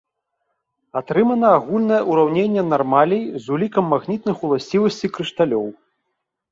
Атрымана агульнае ўраўненне нармалей з улікам магнітных уласцівасцей крышталёў.